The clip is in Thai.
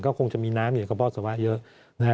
ก็คงจะมีน้ำหรือกระเพาะปัสสาวะเยอะ